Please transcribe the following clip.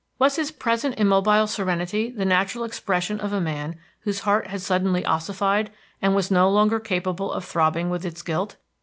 Was his present immobile serenity the natural expression of a man whose heart had suddenly ossified, and was no longer capable of throbbing with its guilt?